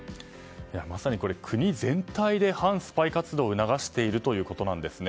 まさに国全体で反スパイ活動を促しているということなんですね。